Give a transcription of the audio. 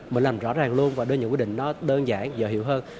mình làm rõ ràng luôn và đưa những quyết định nó đơn giản dở hiệu hơn